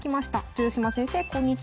「豊島先生こんにちは。